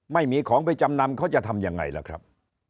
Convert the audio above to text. ไม่มีของไปจำนำเขาจะทำยังไงล่ะครับ